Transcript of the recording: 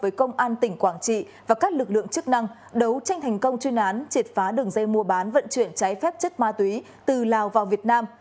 với công an tỉnh quảng trị và các lực lượng chức năng đấu tranh thành công chuyên án triệt phá đường dây mua bán vận chuyển trái phép chất ma túy từ lào vào việt nam